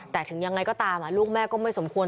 แต่ถึงยังไงก็ตามลูกแม่ก็ไม่สมควร